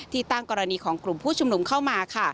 ที่ตั้งกรณีของกลุ่มผู้ชมนุมเข้ามา